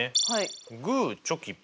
グーチョキパー。